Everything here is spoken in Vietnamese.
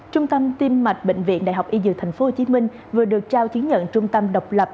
trung tâm tim mạch bệnh viện đại học y dược tp hcm vừa được trao chứng nhận trung tâm độc lập